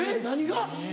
何が？